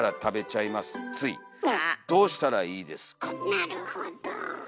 なるほど。